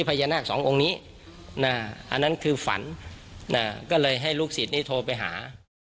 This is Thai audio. พญานาคสององค์นี้อันนั้นคือฝันก็เลยให้ลูกศิษย์นี้โทรไปหา